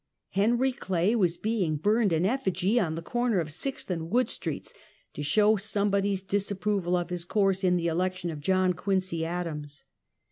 Henry Clay was being burned, in efiigy, on the corner of Sixth and Wood streets, to show somebody's disap proval of his course in the election of John Quincy Adams.